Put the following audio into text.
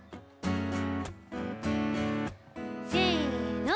せの。